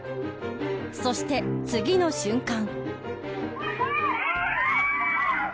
そして次の瞬間。